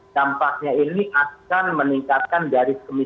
tampaknya ini akan meningkatkan dari kemudian